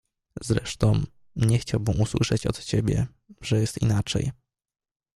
"Zresztą, nie chciałbym usłyszeć od ciebie, że jest inaczej."